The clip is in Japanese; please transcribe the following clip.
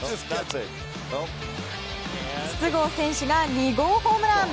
筒香選手が２号ホームラン。